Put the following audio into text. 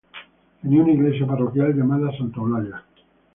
Tenía una iglesia parroquial llamada de Santa Eulalia.